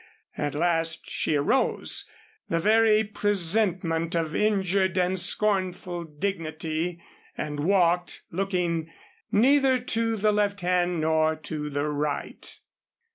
At last she arose, the very presentment of injured and scornful dignity and walked, looking neither to the left hand nor to the right.